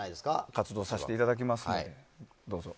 活動させていただきますのでどうぞ。